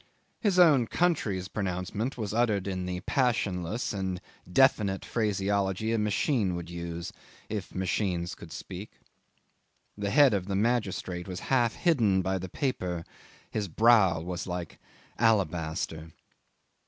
His own country's pronouncement was uttered in the passionless and definite phraseology a machine would use, if machines could speak. The head of the magistrate was half hidden by the paper, his brow was like alabaster.